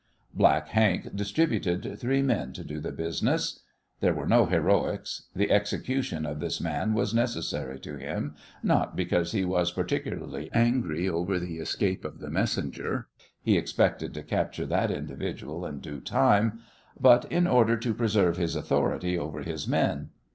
Black Hank distributed three men to do the business. There were no heroics. The execution of this man was necessary to him, not because he was particularly angry over the escape of the messenger he expected to capture that individual in due time but in order to preserve his authority over his men.